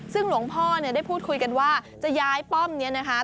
ซึ่งหลวงพ่อเนี่ยได้พูดคุยกันว่าจะย้ายป้อมนี้นะคะ